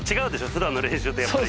ふだんの練習とやっぱり。